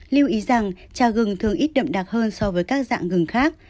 lưu ý rằng trà gừng thường ít đậm đặc hơn so với các dạng gừng khác